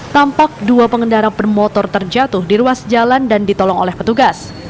tampak dua pengendara bermotor terjatuh di ruas jalan dan ditolong oleh petugas